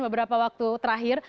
beberapa waktu terakhir